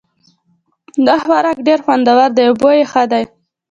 دا خوراک ډېر خوندور ده او بوی یې ښه ده